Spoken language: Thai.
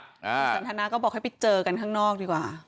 คุณสันทนาก็บอกให้ไปเจอกันข้างนอกดีกว่า